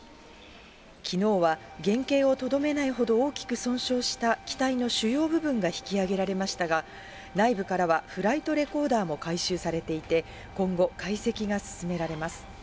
きのうは原形をとどめないほど大きく損傷した機体の主要部分が引き揚げられましたが、内部からはフライトレコーダーも回収されていて、今後解析が進められます。